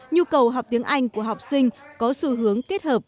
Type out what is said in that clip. nhu cầu học tiếng anh của học sinh có xu hướng kết hợp